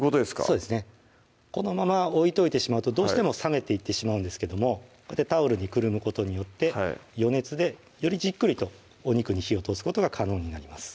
そうですねこのまま置いといてしまうとどうしても冷めていってしまうんですけどもこうやってタオルに包むことによって余熱でよりじっくりとお肉に火を通すことが可能になります